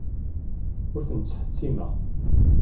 Ur ten-ttḥettimeɣ.